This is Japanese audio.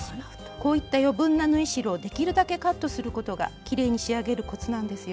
こういった余分な縫い代をできるだけカットすることがきれいに仕上げるコツなんですよ。